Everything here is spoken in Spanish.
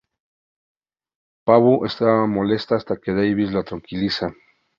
Paavo se molesta hasta que Davis lo tranquiliza.